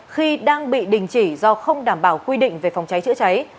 khi đang bị đình chỉ do không đảm bảo quy định về phòng cháy chữa cháy